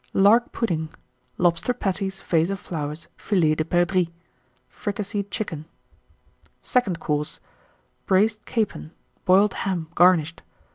_ Lark Pudding. Lobster Patties. Vase of Filets de Perdrix. Flowers. Fricasseed Chicken. Second Course. Braised Capon. Boiled Ham, garnished.